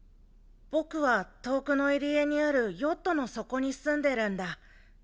僕は遠くの入り江にあるヨットの底に住んでるんだ。